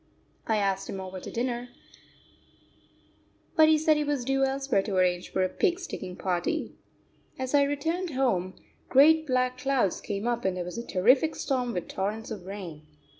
I asked him over to dinner, but he said he was due elsewhere to arrange for a pig sticking party. As I returned home, great black clouds came up and there was a terrific storm with torrents of rain.